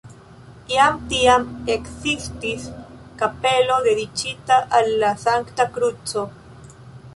Jam tiam ekzistis kapelo dediĉita al la Sankta Kruco.